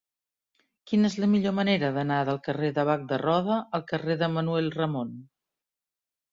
Quina és la millor manera d'anar del carrer de Bac de Roda al carrer de Manuel Ramon?